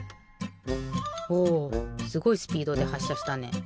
おすごいスピードではっしゃしたね。